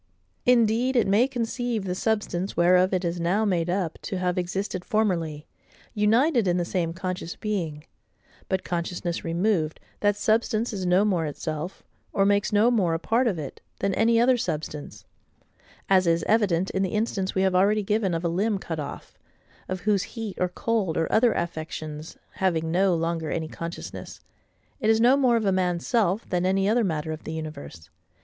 Indeed it may conceive the substance whereof it is now made up to have existed formerly, united in the same conscious being: but, consciousness removed, that substance is no more itself, or makes no more a part of it, than any other substance; as is evident in the instance we have already given of a limb cut off, of whose heat, or cold, or other affections, having no longer any consciousness, it is no more of a man's self than any other matter of the universe.